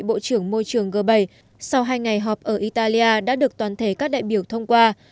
bộ trưởng môi trường g bảy sau hai ngày họp ở italia đã được toàn thể các đại biểu thông qua